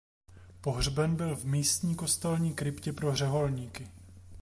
Pohřben byl v místní kostelní kryptě pro řeholníky.